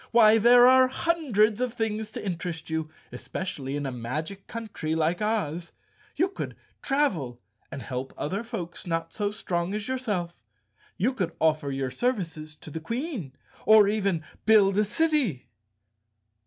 Why, there are hundreds of things to interest you, especially in a magic country like Oz. You could travel, and help other folks not so strong as yourself. You could offer your services to the Queen, or even build a city!"